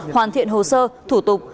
hoàn thiện hồ sơ thủ tục